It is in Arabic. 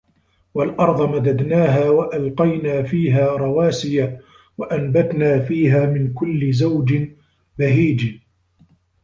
وَالأَرضَ مَدَدناها وَأَلقَينا فيها رَواسِيَ وَأَنبَتنا فيها مِن كُلِّ زَوجٍ بَهيجٍ